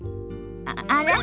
あら？